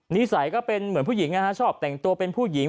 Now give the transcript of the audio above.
นิสัยก็เป็นเหมือนผู้หญิงชอบแต่งตัวเป็นผู้หญิง